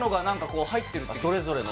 それぞれの？